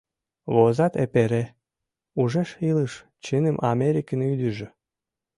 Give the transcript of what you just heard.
Возат эпере, Ужеш илыш чыным Америкын ӱдыржӧ!